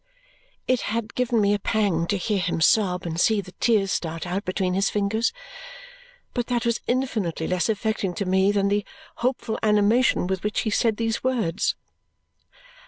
It had given me a pang to hear him sob and see the tears start out between his fingers, but that was infinitely less affecting to me than the hopeful animation with which he said these words.